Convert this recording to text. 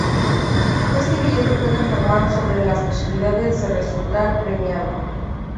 Este billete puede informar sobre las posibilidades de resultar premiado.